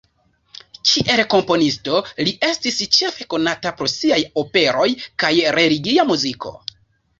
Kiel komponisto li estis ĉefe konata pro siaj operoj kaj religia muziko.